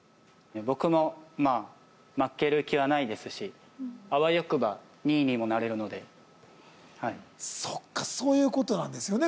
僕もまあ負ける気はないですしあわよくば２位にもなれるのでそっかそういうことなんですよね